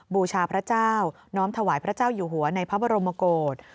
บูชาพระเจ้าน้อมถวายพระเจ้าอยู่หัวในพระบรมโกศ